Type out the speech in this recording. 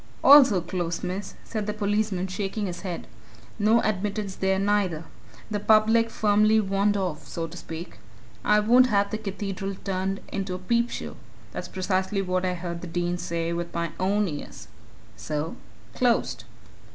"Also closed, miss," said the policeman, shaking his head. "No admittance there, neither. The public firmly warned off so to speak. 'I won't have the Cathedral turned into a peepshow!' that's precisely what I heard the Dean say with my own ears. So closed!"